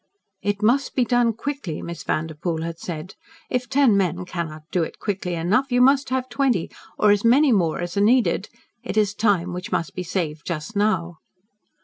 "It must be done QUICKLY," Miss Vanderpoel had said. "If ten men cannot do it quickly enough, you must have twenty or as many more as are needed. It is time which must be saved just now."